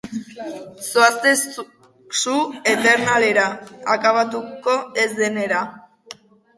Zoazte su eternalera, akabatuko ez denera.